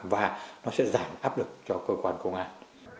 và nó sẽ giảm áp lực cho cơ quan công an